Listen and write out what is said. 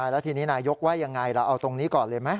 แล้วทีนี้นายกว่ายังไงเราเอาตรงนี้ก่อนเลยไหม